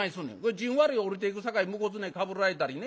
「じんわり下りていくさかい向こうずねかぶられたりね